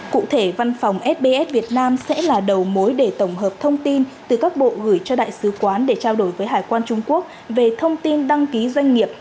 cụ thể văn phòng sbs việt nam sẽ là đầu mối để tổng hợp thông tin từ các bộ gửi cho đại sứ quán để trao đổi với hải quan trung quốc về thông tin đăng ký doanh nghiệp